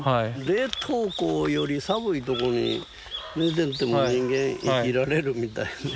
冷凍庫より寒いとこに寝てても人間生きられるみたいで。